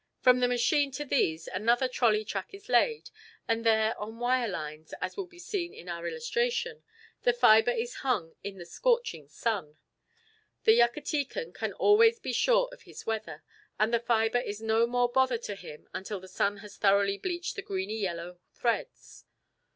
From the machine to these another trolley track is laid, and there on wire lines, as will be seen in our illustration, the fibre is hung in the scorching sun. The Yucatecan can always be sure of his weather, and the fibre is no more bother to him until the sun has thoroughly bleached the greeny yellow threads.